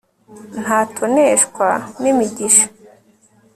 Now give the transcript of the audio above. nzatoneshwe n'imigisha